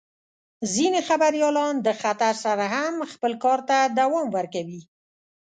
ځینې خبریالان د خطر سره هم خپل کار ته دوام ورکوي.